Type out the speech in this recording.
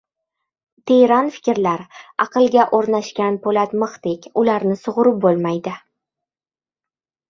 Teran fikrlar — aqlga o‘rnashgan po‘lat mixdek, ularni sug‘urib bo‘lmaydi.